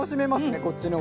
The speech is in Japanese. こっちの方が。